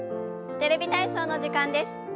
「テレビ体操」の時間です。